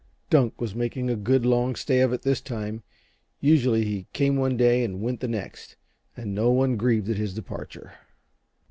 Dunk was making a good, long stay of it this time; usually he came one day and went the next, and no one grieved at his departure.